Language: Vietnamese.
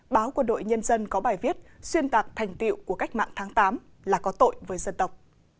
báo quân đội nhân dân có bài viết xuyên tạc thành tiệu của cách mạng tháng tám là có tội với dân tộc